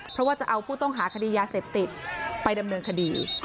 เพราะว่าจะเอาผู้ต้องหาคดียาเสพติดไปดำเนินคดี